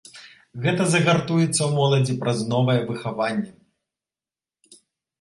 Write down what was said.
Гэта загартуецца ў моладзі праз новае выхаванне.